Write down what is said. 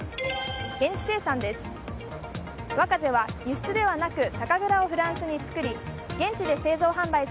現地生産です。